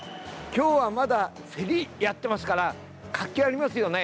今日は、まだ競りをやっていますから活気がありますよね。